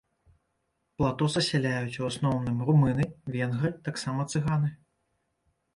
Плато засяляюць у асноўным румыны, венгры, таксама цыганы.